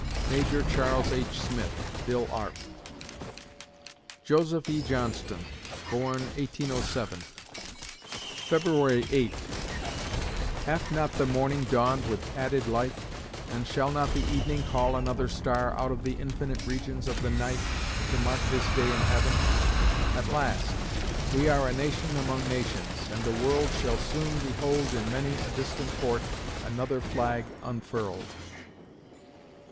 MAJOR CHARLES H. SMITH (Bill Arp) Joseph E. Johnston born, 1807 February Eighth Hath not the morning dawned with added light? And shall not the evening call another star Out of the infinite regions of the night, To mark this day in Heaven? At last, we are A nation among nations; and the world Shall soon behold in many a distant port Another flag unfurled!